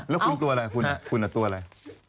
แล้วคุณตัวอะไรคุณคุณตัวอะไร